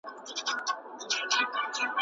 اوس به څنګه پر اغزیو تر منزل پوري رسیږي